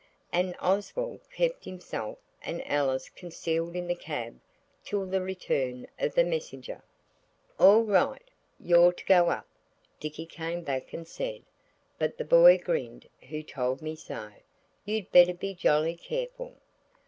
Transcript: and Oswald kept himself and Alice concealed in the cab till the return of the messenger. "All right; you're to go up," Dicky came back and said, "but the boy grinned who told me so. You'd better be jolly careful."